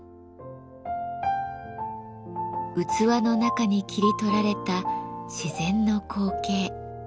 器の中に切り取られた自然の光景。